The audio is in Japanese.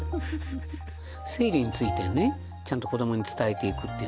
生理についてねちゃんと子どもに伝えていくっていう。